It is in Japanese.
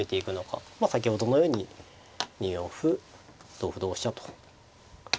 まあ先ほどのように２四歩同歩同飛車と。